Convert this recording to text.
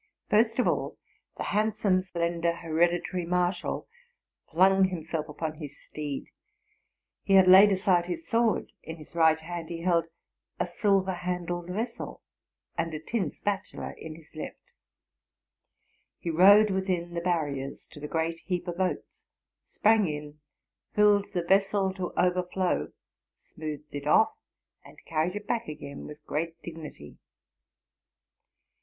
First of all, the hand some, slender hereditary marshal flung himself upon his steed: he had laid aside his sword; in his right hand he held a silver handled vessel, and a tin spatula. in his left. He rode within the barriers to the great heap of oats, sprang in. filled the vessel to overflow, smoothed it off, and earried it back again with great dignity.